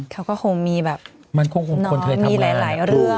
เขาก็คงมีแบบมีหลายเรื่อง